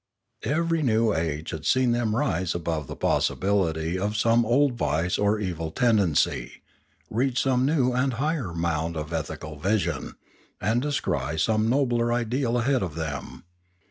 Every new age had seen them rise above the possi bility of some old vice or evil tendency, reach some new and higher mount of ethical vision, and descry some nobler ideal ahead of them.